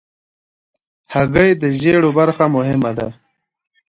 هګۍ د ژیړو برخه مهمه ده.